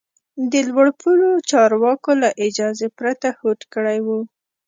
د لوړ پوړو چارواکو له اجازې پرته هوډ کړی و.